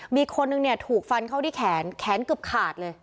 มีคนนึงเนี่ยถูกฟันเข้าที่แขนแขนเกือบขาดเลย